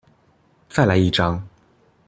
再來一張